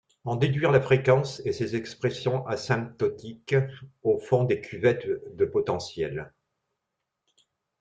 En déduire la fréquence et ses expressions asymptotiques au fond des cuvettes de potentiels